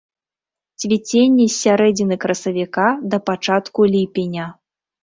Цвіценне з сярэдзіны красавіка да пачатку ліпеня.